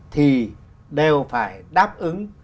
thì đều phải đáp ứng